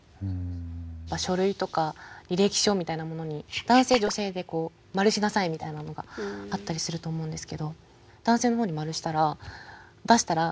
書類とか履歴書みたいなものに男性女性で丸しなさいみたいなのがあったりすると思うんですけど男性の方に丸したら出したら「間違えてますか？」とか。